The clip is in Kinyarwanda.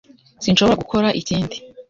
Sinshobora gukora ikindi.